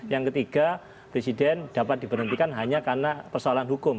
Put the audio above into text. yang ketiga presiden dapat diberhentikan hanya karena persoalan hukum